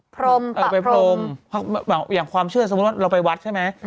ไปพรมอย่างความเชื่อสมมุติว่าเราไปวัดใช่ไหม